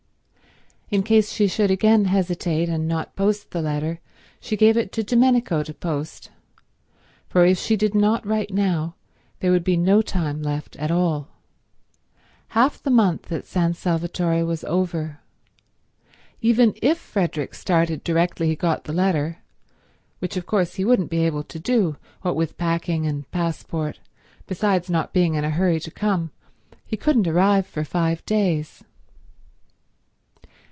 In case she should again hesitate and not post the letter, she gave it to Domenico to post; for if she did not write now there would be no time left at all. Half the month at San Salvatore was over. Even if Frederick started directly he got the letter, which of course he wouldn't be able to do, what with packing and passport, besides not being in a hurry to come, he couldn't arrive for five days.